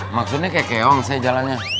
maksudnya kayak keong saya jalannya